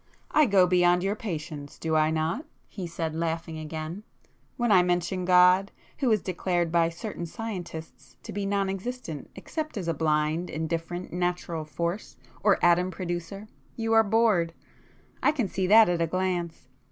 "I go beyond your patience, do I not!" he said, laughing again—"When I mention God,—who is declared by certain scientists to be non existent except as a blind, indifferent natural Force or Atom producer;—you are bored! I can see that at a glance.